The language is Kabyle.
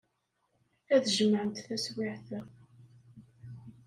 Ad jemɛent taswiɛt-a.